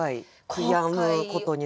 悔やむことになる。